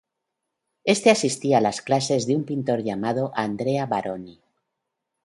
Este asistía a las clases de un pintor llamado Andrea Baroni.